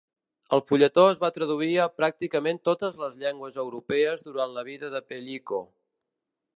El fulletó es va traduir a pràcticament totes les llengües europees durant la vida de Pellico.